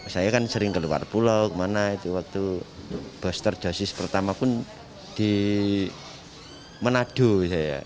saya kan sering keluar pulau kemana itu waktu booster dosis pertama pun di manado saya